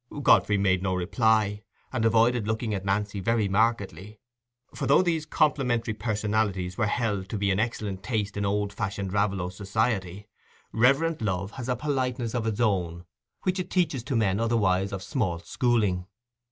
Godfrey made no reply, and avoided looking at Nancy very markedly; for though these complimentary personalities were held to be in excellent taste in old fashioned Raveloe society, reverent love has a politeness of its own which it teaches to men otherwise of small schooling.